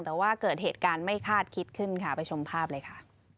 แต่ว่าเกิดเหตุการณ์ไม่คาดคิดขึ้นค่ะไปชมภาพเลยค่ะ